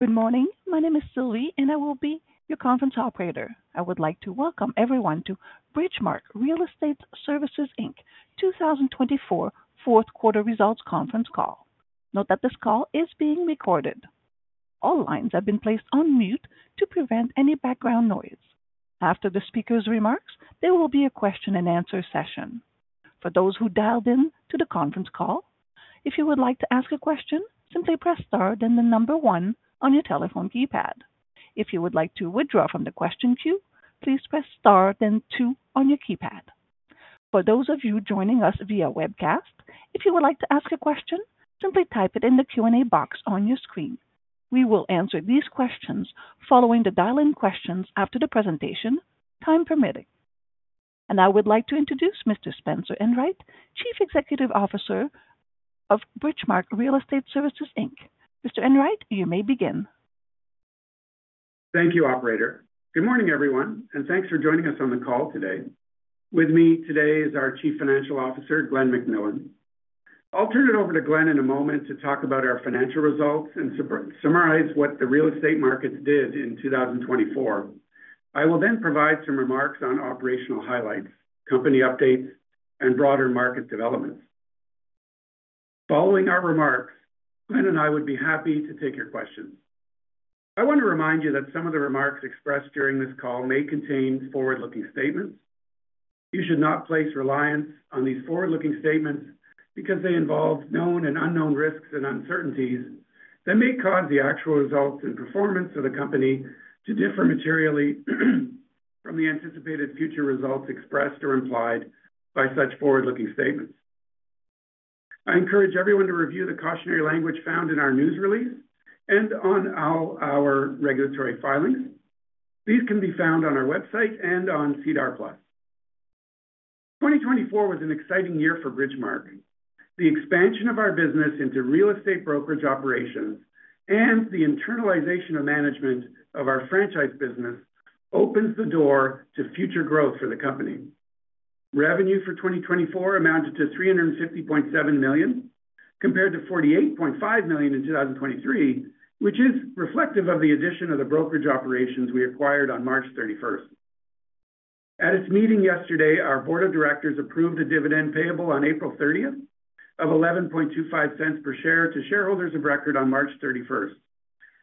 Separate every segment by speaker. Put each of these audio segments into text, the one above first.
Speaker 1: Good morning. My name is Sylvie, and I will be your conference operator. I would like to welcome everyone to Bridgemarq Real Estate Services 2024 Q4 Results Conference Call. Note that this call is being recorded. All lines have been placed on mute to prevent any background noise. After the speaker's remarks, there will be a question-and-answer session. For those who dialed in to the conference call, if you would like to ask a question, simply press star, then the number one on your telephone keypad. If you would like to withdraw from the question queue, please press star, then two on your keypad. For those of you joining us via webcast, if you would like to ask a question, simply type it in the Q&A box on your screen. We will answer these questions following the dial-in questions after the presentation, time permitting. I would like to introduce Mr. Spencer Enright, CEO of Bridgemarq Real Estate Services. Mr. Enright, you may begin.
Speaker 2: Thank you, Operator. Good morning, everyone, and thanks for joining us on the call today. With me today is our Chief Financial Officer, Glen McMillan. I'll turn it over to Glen in a moment to talk about our financial results and summarize what the real estate markets did in 2024. I will then provide some remarks on operational highlights, company updates, and broader market developments. Following our remarks, Glen and I would be happy to take your questions. I want to remind you that some of the remarks expressed during this call may contain forward-looking statements. You should not place reliance on these forward-looking statements because they involve known and unknown risks and uncertainties that may cause the actual results and performance of the company to differ materially from the anticipated future results expressed or implied by such forward-looking statements. I encourage everyone to review the cautionary language found in our news release and on our regulatory filings. These can be found on our website and on SEDAR+. 2024 was an exciting year for Bridgemarq. The expansion of our business into real estate Brokerage Operations and the internalization of management of our Franchise business opens the door to future growth for the company. Revenue for 2024 amounted to 350.7 million, compared to 48.5 million in 2023, which is reflective of the addition of the Brokerage Operations we acquired on March 31st. At its meeting yesterday, our Board of Directors approved a dividend payable on April 30th of 11.25 per share to shareholders of record on March 31st.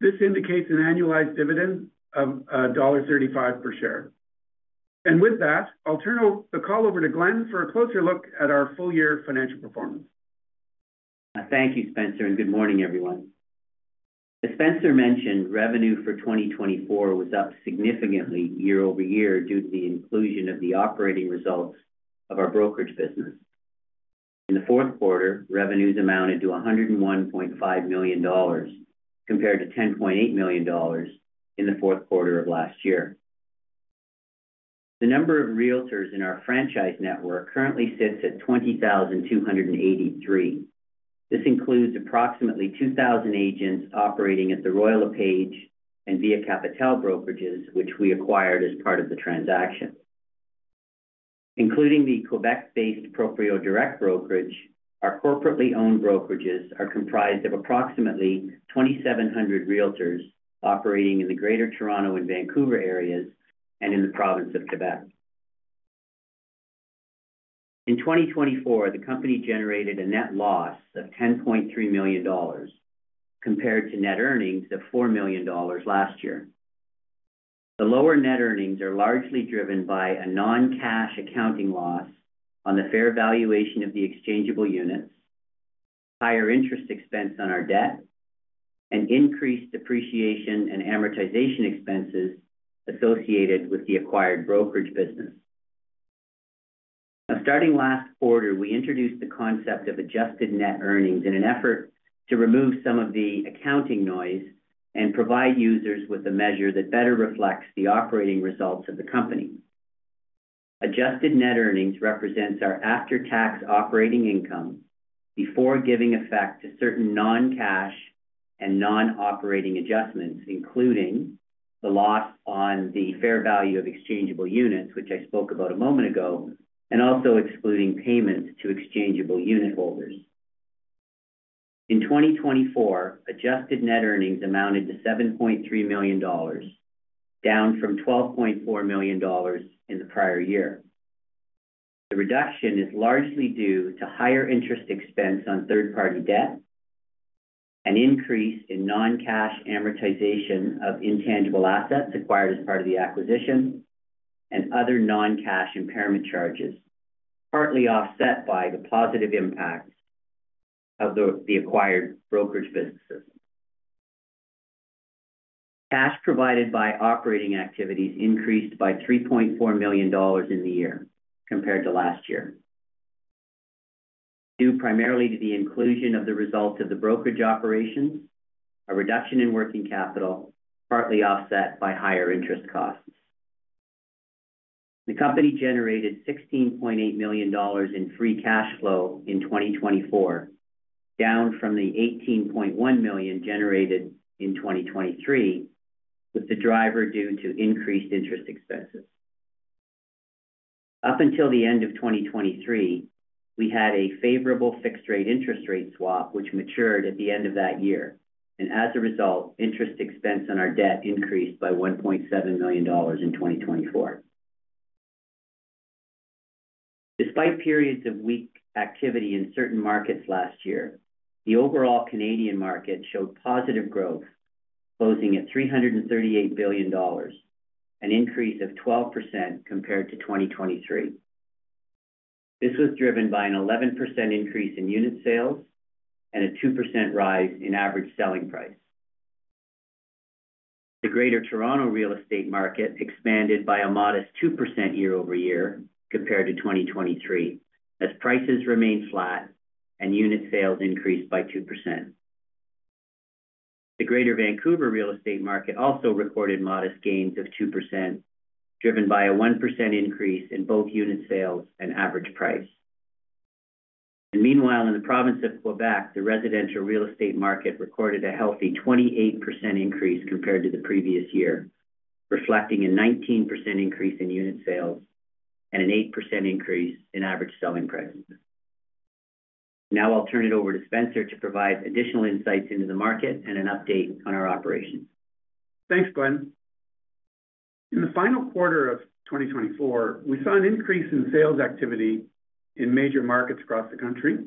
Speaker 2: This indicates an annualized dividend of dollar 1.35 per share. With that, I'll turn the call over to Glen for a closer look at our full-year financial performance.
Speaker 3: Thank you, Spencer, and good morning, everyone. As Spencer mentioned, revenue for 2024 was up significantly year-over-year due to the inclusion of the operating results of our brokerage business. In the Q4, revenues amounted to 101.5 million dollars compared to 10.8 million dollars in the Q4 of last year. The number of realtors in our franchise network currently sits at 20,283. This includes approximately 2,000 agents operating at the Royal LePage and Via Capitale brokerages, which we acquired as part of the transaction. Including the Quebec-based Proprio Direct brokerage, our corporately owned brokerages are comprised of approximately 2,700 realtors operating in the Greater Toronto and Vancouver areas and in the province of Quebec. In 2024, the company generated a net loss of 10.3 million dollars compared to net earnings of 4 million dollars last year. The lower net earnings are largely driven by a non-cash accounting loss on the fair valuation of the exchangeable units, higher interest expense on our debt, and increased depreciation and amortization expenses associated with the acquired brokerage business. Now, starting last quarter, we introduced the concept of adjusted net earnings in an effort to remove some of the accounting noise and provide users with a measure that better reflects the operating results of the company. Adjusted net earnings represents our after-tax operating income before giving effect to certain non-cash and non-operating adjustments, including the loss on the fair value of exchangeable units, which I spoke about a moment ago, and also excluding payments to exchangeable unit holders. In 2024, adjusted net earnings amounted to 7.3 million dollars, down from 12.4 million dollars in the prior year. The reduction is largely due to higher interest expense on third-party debt, an increase in non-cash amortization of intangible assets acquired as part of the acquisition, and other non-cash impairment charges, partly offset by the positive impacts of the acquired brokerage businesses. Cash provided by operating activities increased by 3.4 million dollars in the year compared to last year, due primarily to the inclusion of the results of the Brokerage Operations, a reduction in working capital, partly offset by higher interest costs. The company generated 16.8 million dollars in free cash flow in 2024, down from the 18.1 million generated in 2023, with the driver due to increased interest expenses. Up until the end of 2023, we had a favorable fixed-rate interest rate swap, which matured at the end of that year. As a result, interest expense on our debt increased by 1.7 million dollars in 2024. Despite periods of weak activity in certain markets last year, the overall Canadian market showed positive growth, closing at 338 billion dollars, an increase of 12% compared to 2023. This was driven by an 11% increase in unit sales and a 2% rise in average selling price. The Greater Toronto real estate market expanded by a modest 2% year-over-year compared to 2023, as prices remained flat and unit sales increased by 2%. The Greater Vancouver real estate market also recorded modest gains of 2%, driven by a 1% increase in both unit sales and average price. Meanwhile, in the province of Quebec, the residential real estate market recorded a healthy 28% increase compared to the previous year, reflecting a 19% increase in unit sales and an 8% increase in average selling price. Now I'll turn it over to Spencer to provide additional insights into the market and an update on our operations.
Speaker 2: Thanks, Glen. In the final quarter of 2024, we saw an increase in sales activity in major markets across the country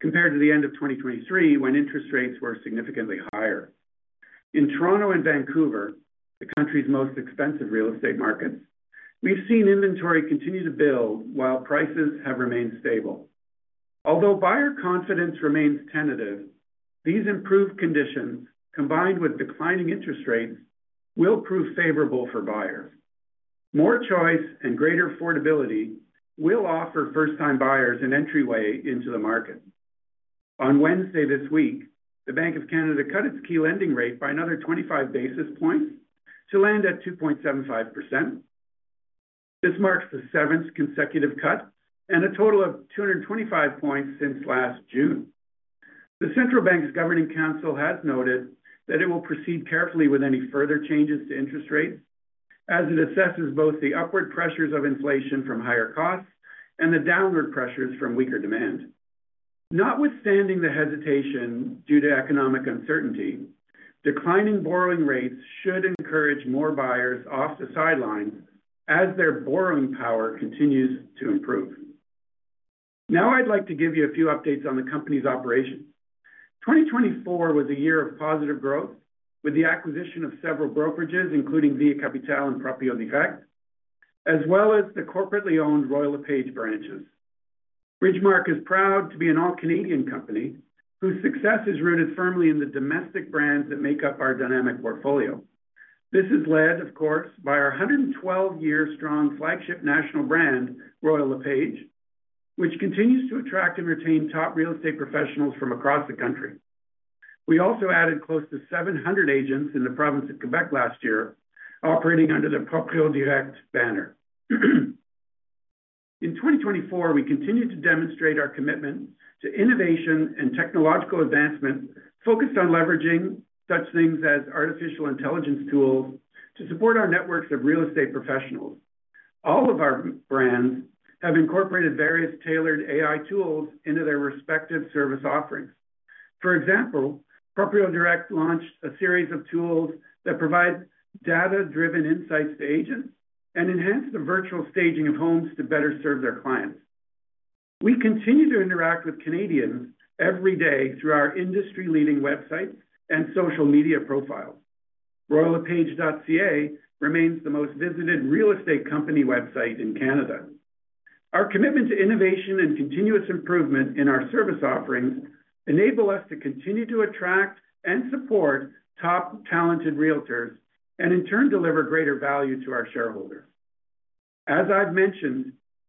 Speaker 2: compared to the end of 2023, when interest rates were significantly higher. In Toronto and Vancouver, the country's most expensive real estate markets, we've seen inventory continue to build while prices have remained stable. Although buyer confidence remains tentative, these improved conditions, combined with declining interest rates, will prove favorable for buyers. More choice and greater affordability will offer first-time buyers an entryway into the market. On Wednesday this week, the Bank of Canada cut its key lending rate by another 25 basis points to land at 2.75%. This marks the seventh consecutive cut and a total of 225 basis points since last June. The Central Bank's Governing Council has noted that it will proceed carefully with any further changes to interest rates as it assesses both the upward pressures of inflation from higher costs and the downward pressures from weaker demand. Notwithstanding the hesitation due to economic uncertainty, declining borrowing rates should encourage more buyers off the sidelines as their borrowing power continues to improve. Now I'd like to give you a few updates on the company's operations. 2024 was a year of positive growth with the acquisition of several brokerages, including Via Capitale and Proprio Direct, as well as the corporately owned Royal LePage branches. Bridgemarq is proud to be an all-Canadian company whose success is rooted firmly in the domestic brands that make up our dynamic portfolio. This is led, of course, by our 112-year-strong flagship national brand, Royal LePage, which continues to attract and retain top real estate professionals from across the country. We also added close to 700 agents in the province of Quebec last year, operating under the Proprio Direct banner. In 2024, we continue to demonstrate our commitment to innovation and technological advancement focused on leveraging such things as artificial intelligence tools to support our networks of real estate professionals. All of our brands have incorporated various tailored AI tools into their respective service offerings. For example, Proprio Direct launched a series of tools that provide data-driven insights to agents and enhance the virtual staging of homes to better serve their clients. We continue to interact with Canadians every day through our industry-leading websites and social media profiles. royallepage.ca remains the most visited real estate company website in Canada. Our commitment to innovation and continuous improvement in our service offerings enables us to continue to attract and support top talented realtors and, in turn, deliver greater value to our shareholders. As I've mentioned,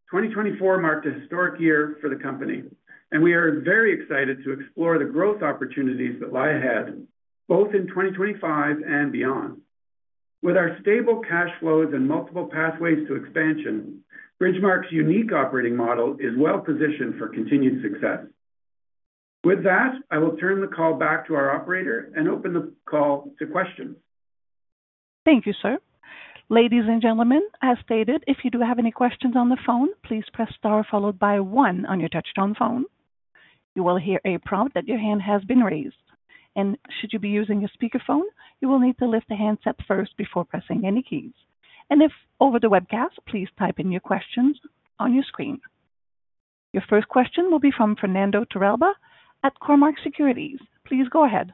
Speaker 2: 2024 marked a historic year for the company, and we are very excited to explore the growth opportunities that lie ahead, both in 2025 and beyond. With our stable cash flows and multiple pathways to expansion, Bridgemarq's unique operating model is well-positioned for continued success. With that, I will turn the call back to our operator and open the call to questions.
Speaker 1: Thank you, sir. Ladies and gentlemen, as stated, if you do have any questions on the phone, please press star followed by one on your touch-tone phone. You will hear a prompt that your hand has been raised. If you are using a speakerphone, you will need to lift the handset first before pressing any keys. If over the webcast, please type in your questions on your screen. Your first question will be from Fernando Torrealba at Cormark Securities. Please go ahead.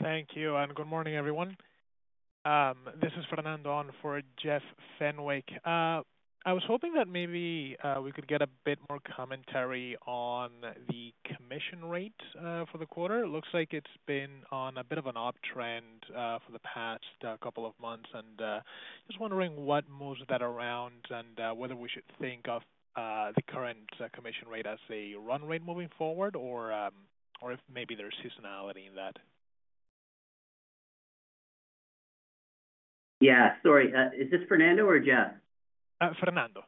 Speaker 4: Thank you and good morning, everyone. This is Fernando on for Jeff Fenwick. I was hoping that maybe we could get a bit more commentary on the commission rate for the quarter. It looks like it's been on a bit of an uptrend for the past couple of months, and just wondering what moves that around and whether we should think of the current commission rate as a run rate moving forward or if maybe there's seasonality in that.
Speaker 3: Yeah, sorry. Is this Fernando or Jeff?
Speaker 4: Fernando.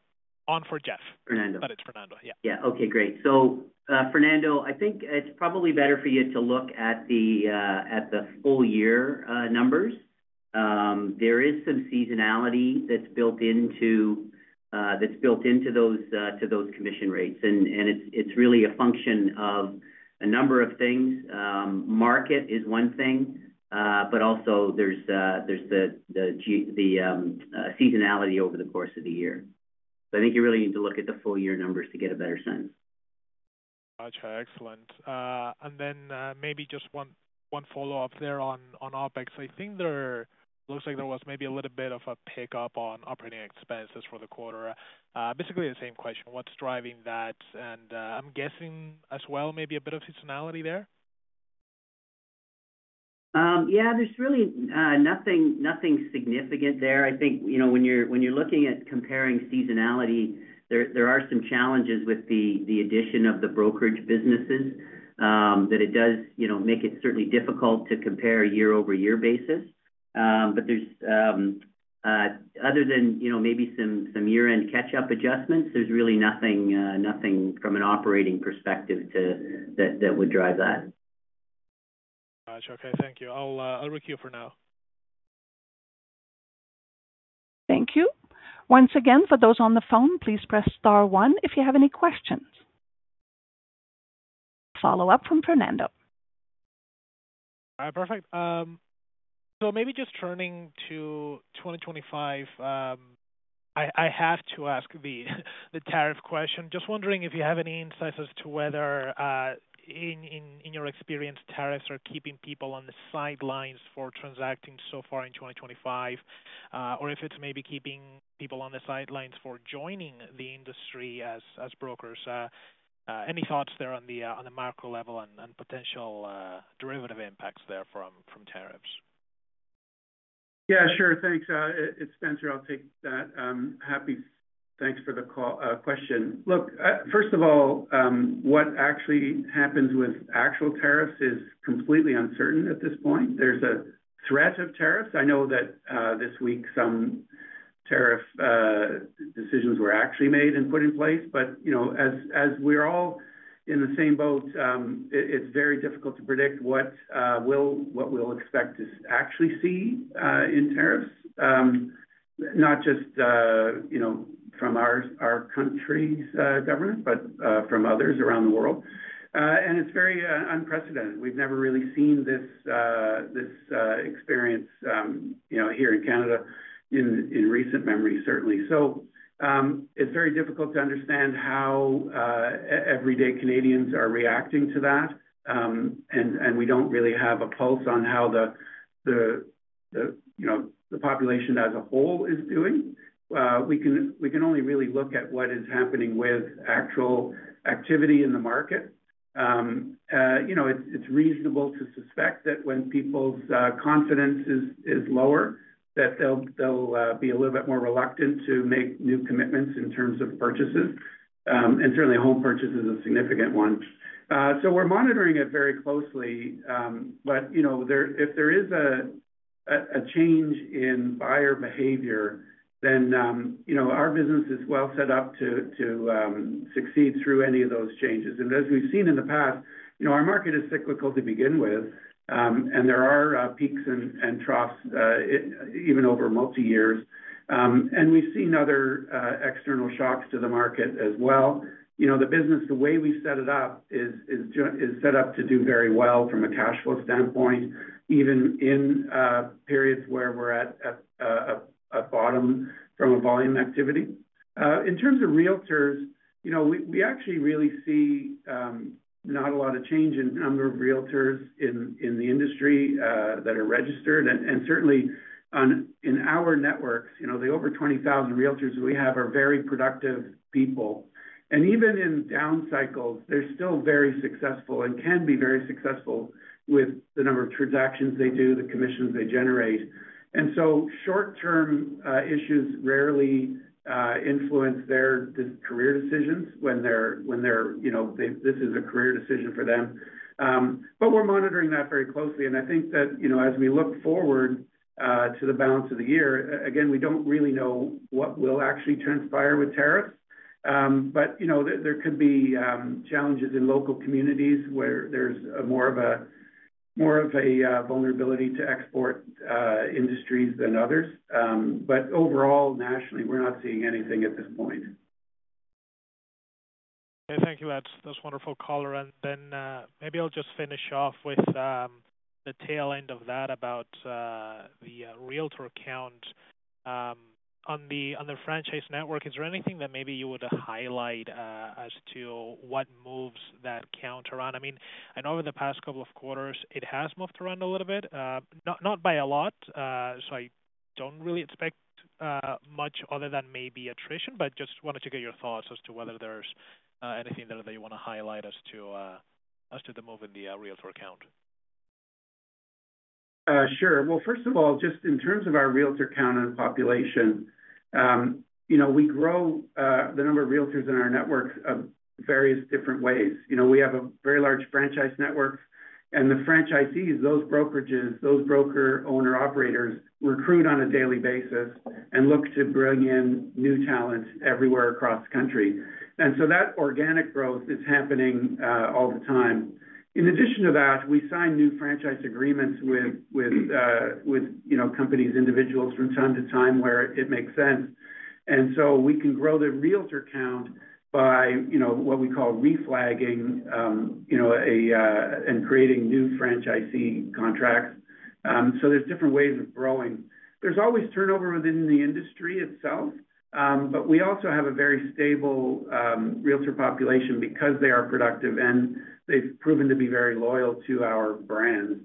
Speaker 4: On for Jeff.
Speaker 3: Fernando.
Speaker 4: It's Fernando, yeah.
Speaker 3: Yeah, okay, great. Fernando, I think it's probably better for you to look at the full-year numbers. There is some seasonality that's built into those commission rates, and it's really a function of a number of things. Market is one thing, but also there's the seasonality over the course of the year. I think you really need to look at the full-year numbers to get a better sense.
Speaker 4: Gotcha. Excellent. Maybe just one follow-up there on OpEx. I think there looks like there was maybe a little bit of a pickup on operating expenses for the quarter. Basically the same question. What's driving that? I'm guessing as well, maybe a bit of seasonality there?
Speaker 3: Yeah, there's really nothing significant there. I think when you're looking at comparing seasonality, there are some challenges with the addition of the brokerage businesses that it does make it certainly difficult to compare a year-over-year basis. Other than maybe some year-end catch-up adjustments, there's really nothing from an operating perspective that would drive that.
Speaker 4: Gotcha. Okay, thank you. I'll requeue for now.
Speaker 1: Thank you. Once again, for those on the phone, please press star one if you have any questions. A follow-up from Fernando.
Speaker 4: All right, perfect. Maybe just turning to 2025, I have to ask the tariff question. Just wondering if you have any insights as to whether, in your experience, tariffs are keeping people on the sidelines for transacting so far in 2025, or if it's maybe keeping people on the sidelines for joining the industry as brokers? Any thoughts there on the macro level and potential derivative impacts there from tariffs?
Speaker 2: Yeah, sure. Thanks. It's Spencer. I'll take that. Happy thanks for the question. Look, first of all, what actually happens with actual tariffs is completely uncertain at this point. There's a threat of tariffs. I know that this week some tariff decisions were actually made and put in place. As we're all in the same boat, it's very difficult to predict what we'll expect to actually see in tariffs, not just from our country's government, but from others around the world. It's very unprecedented. We've never really seen this experience here in Canada in recent memory, certainly. It's very difficult to understand how everyday Canadians are reacting to that. We don't really have a pulse on how the population as a whole is doing. We can only really look at what is happening with actual activity in the market. It's reasonable to suspect that when people's confidence is lower, they'll be a little bit more reluctant to make new commitments in terms of purchases. Certainly, home purchases are a significant one. We're monitoring it very closely. If there is a change in buyer behavior, then our business is well set up to succeed through any of those changes. As we've seen in the past, our market is cyclical to begin with, and there are peaks and troughs even over multi-years. We've seen other external shocks to the market as well. The business, the way we set it up, is set up to do very well from a cash flow standpoint, even in periods where we're at a bottom from a volume activity. In terms of realtors, we actually really see not a lot of change in the number of realtors in the industry that are registered. Certainly, in our networks, the over 20,000 realtors we have are very productive people. Even in down cycles, they're still very successful and can be very successful with the number of transactions they do, the commissions they generate. Short-term issues rarely influence their career decisions when this is a career decision for them. We're monitoring that very closely. I think that as we look forward to the balance of the year, again, we don't really know what will actually transpire with tariffs. There could be challenges in local communities where there's more of a vulnerability to export industries than others. Overall, nationally, we're not seeing anything at this point.
Speaker 4: Okay, thank you. That's wonderful, color. Maybe I'll just finish off with the tail end of that about the realtor count on the franchise network. Is there anything that maybe you would highlight as to what moves that count around? I mean, I know over the past couple of quarters, it has moved around a little bit. Not by a lot. I don't really expect much other than maybe attrition, but just wanted to get your thoughts as to whether there's anything there that you want to highlight as to the move in the realtor count.
Speaker 2: Sure. First of all, just in terms of our realtor count and population, we grow the number of realtors in our network in various different ways. We have a very large franchise network. The franchisees, those brokerages, those broker-owner operators, recruit on a daily basis and look to bring in new talent everywhere across the country. That organic growth is happening all the time. In addition to that, we sign new franchise agreements with companies, individuals from time to time where it makes sense. We can grow the realtor count by what we call re-flagging and creating new franchisee contracts. There are different ways of growing. There is always turnover within the industry itself, but we also have a very stable realtor population because they are productive and they have proven to be very loyal to our brand.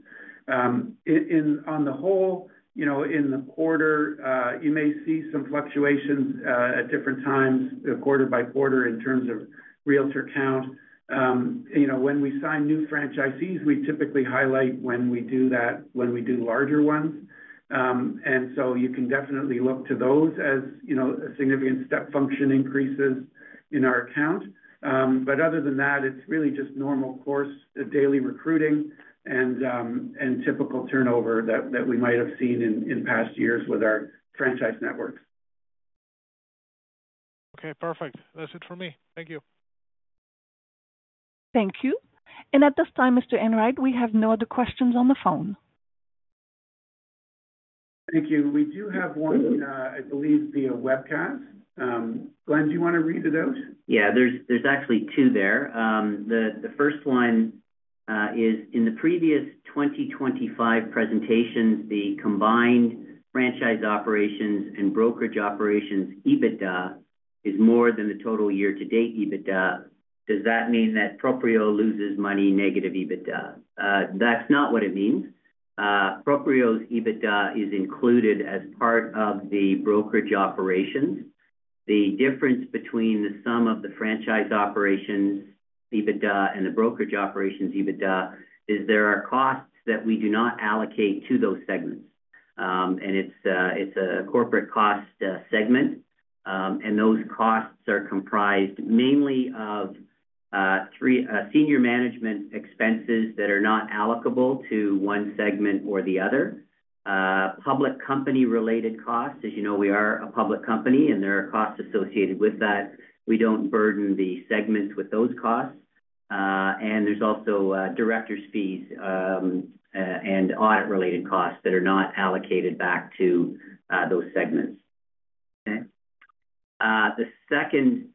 Speaker 2: On the whole, in the quarter, you may see some fluctuations at different times, quarter-by-quarter in terms of realtor count. When we sign new franchisees, we typically highlight when we do that, when we do larger ones. You can definitely look to those as significant step function increases in our count. Other than that, it's really just normal course, daily recruiting, and typical turnover that we might have seen in past years with our franchise networks.
Speaker 4: Okay, perfect. That's it for me. Thank you.
Speaker 1: Thank you. At this time, Mr. Enright, we have no other questions on the phone.
Speaker 2: Thank you. We do have one, I believe, via webcast. Glen, do you want to read it out?
Speaker 3: Yeah, there's actually two there. The first one is, in the previous 2025 presentations, the combined Franchise Operations and Brokerage Operations EBITDA is more than the total year-to-date EBITDA. Does that mean that Proprio loses money, negative EBITDA? That's not what it means. Proprio's EBITDA is included as part of the Brokerage Operations. The difference between the sum of the Franchise Operations EBITDA and the Brokerage Operations EBITDA is there are costs that we do not allocate to those segments. It is a corporate cost segment. Those costs are comprised mainly of senior management expenses that are not allocable to one segment or the other. Public company-related costs, as you know, we are a public company, and there are costs associated with that. We don't burden the segments with those costs. There are also Director's fees and Audit-related costs that are not allocated back to those segments. Okay. The second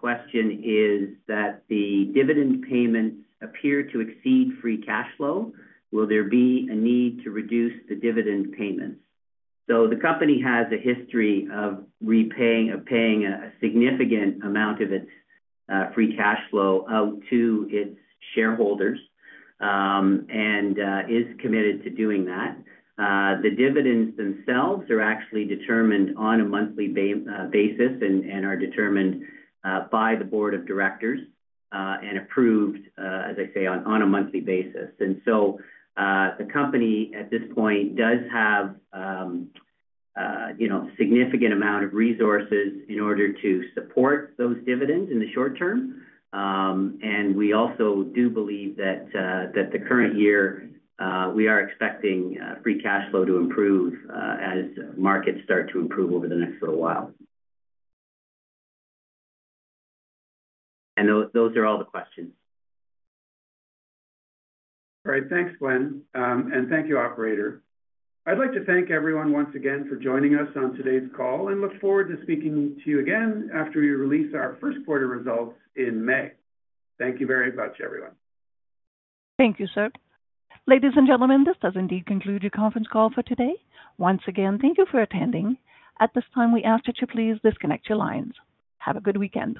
Speaker 3: question is that the dividend payments appear to exceed free cash flow. Will there be a need to reduce the dividend payments? The company has a history of repaying or paying a significant amount of its free cash flow out to its shareholders and is committed to doing that. The dividends themselves are actually determined on a monthly basis and are determined by the board of directors and approved, as I say, on a monthly basis. The company at this point does have a significant amount of resources in order to support those dividends in the short term. We also do believe that the current year, we are expecting free cash flow to improve as markets start to improve over the next little while. Those are all the questions.
Speaker 2: All right. Thanks, Glen. Thank you, Operator. I'd like to thank everyone once again for joining us on today's call and look forward to speaking to you again after we release our Q1 results in May. Thank you very much, everyone.
Speaker 1: Thank you, sir. Ladies and gentlemen, this does indeed conclude your conference call for today. Once again, thank you for attending. At this time, we ask that you please disconnect your lines. Have a good weekend.